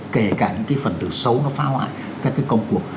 kể cả những cái phần từ xấu nó phá hoại các cái công cuộc